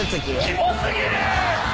キモ過ぎる！？